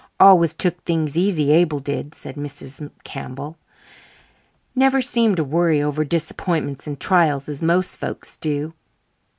"Always took things easy, Abel did," said Mrs. Campbell. "Never seemed to worry over disappointments and trials as most folks do.